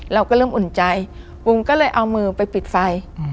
เราก็เริ่มอุ่นใจบุ๋มก็เลยเอามือไปปิดไฟ